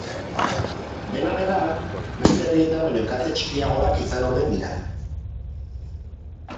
Dena dela, beste herrietan baino kalte txikiagoak izan omen dira.